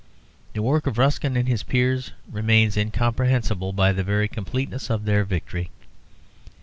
The work of Ruskin and his peers remains incomprehensible by the very completeness of their victory.